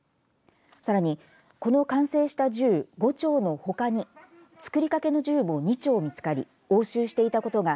さらに、この完成した銃５丁のほかに作りかけの銃も２丁見つかり押収していたことが